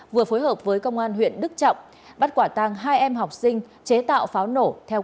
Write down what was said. vừa phối hợp với công an huyện đức trọng bắt quả tàng hai em học sinh chế tạo pháo nổ theo